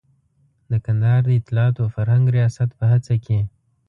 د کندهار د اطلاعاتو او فرهنګ ریاست په هڅه کې.